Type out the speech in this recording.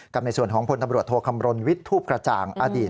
ในส่วนของพลตำรวจโทคำรณวิทย์ทูปกระจ่างอดีต